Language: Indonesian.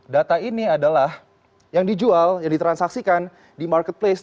data ini adalah yang dijual yang ditransaksikan di marketplace